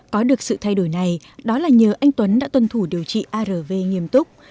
có được sự thay đổi này đó là nhờ anh tuấn đã tuân thủ điều trị arv nghiêm túc